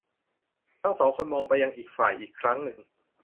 ทั้งสองคนมองไปยังอีกฝ่ายอีกครั้งหนึ่ง